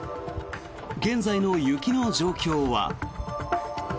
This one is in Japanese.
現在の雪の状況は。